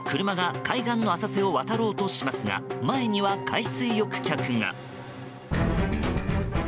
車が海岸の浅瀬を渡ろうとしますが前には海水浴客が。